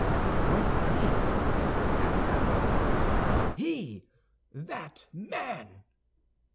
What he?" asked Athos. "He, that man!"